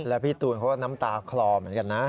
แล้วพี่ตูนเขาก็น้ำตาคลอเหมือนกันนะ